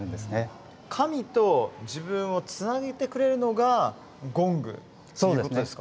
神と自分をつなげてくれるのがゴングっていうことですか？